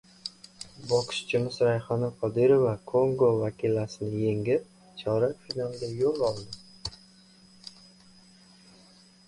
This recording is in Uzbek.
Bokschimiz Rayhona Qodirova Kongo vakilasini yengib, chorak finalga yo‘l oldi